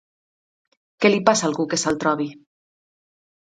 Què li passa a algú que se'l trobi?